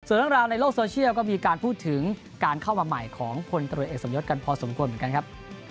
ส่วนเรื่องราวในโลกโซเชียลก็มีการพูดถึงการเข้ามาใหม่ของพลตรวจเอกสมยศกันพอสมควรเหมือนกันครับ